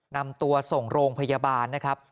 นำตัวส่งโรงพยาบาลนะครับ